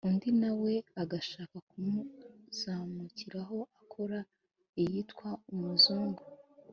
undi nawe agashaka kumuzamukiraho akora iyitwa umuzungu